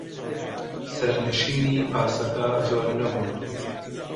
سەرنشینی پاسەکە زۆر نەبوون.